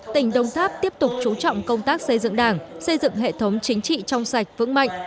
tỉnh đồng tháp tiếp tục chú trọng công tác xây dựng đảng xây dựng hệ thống chính trị trong sạch vững mạnh